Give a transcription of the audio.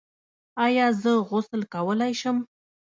ایا زه غسل کولی شم؟